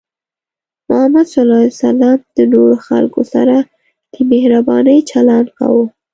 محمد صلى الله عليه وسلم د نورو خلکو سره د مهربانۍ چلند کاوه.